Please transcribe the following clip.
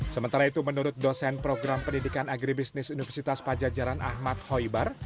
sementara itu menurut dosen program pendidikan agribisnis universitas pajajaran ahmad khoibar